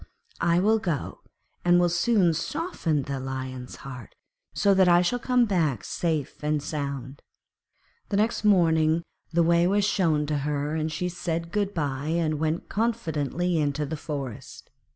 I will go and will soon soften the Lion's heart, so that I shall come back safe and sound.' The next morning the way was shown to her, and she said good bye and went confidently into the forest.